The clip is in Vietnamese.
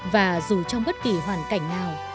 và dù trong bất kỳ hoàn cảnh nào